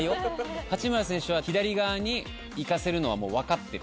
八村選手は左側に行かせるのはもうわかってる。